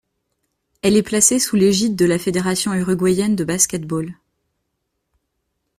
Elle est placée sous l'égide de la Fédération uruguayenne de basket-ball.